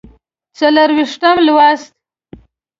څلوېښتم لوست